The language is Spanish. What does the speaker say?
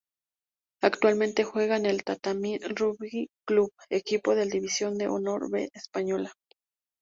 Actualmente juega en el Tatami Rugby Club, equipo de División de Honor B española.